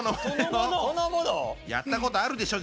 やったことあるでしょ？